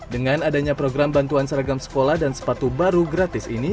dengan adanya program bantuan seragam sekolah dan sepatu baru gratis ini